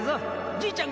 じいちゃん